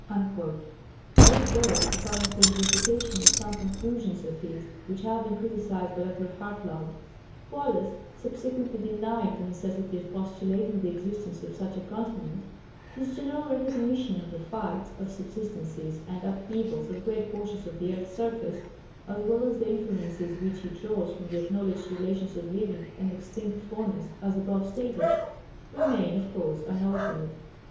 " Although, apparently in vindication of some conclusions of his which had been criticised by Dr. Hartlaub, Wallace subsequently denied the necessity of postulating the existence of such a continent, his general recognition of the facts of subsidences and upheavals of great portions of the earth's surface, as well as the inferences which he draws from the acknowledged relations of living and extinct faunas as above stated, remain of course unaltered.